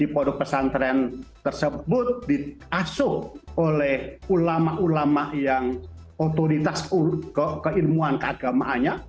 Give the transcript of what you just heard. produk pesantren tersebut diasuk oleh ulama ulama yang otoritas keilmuan agama nya